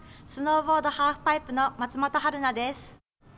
スノーボード・ハーフパイプの松本遥奈です。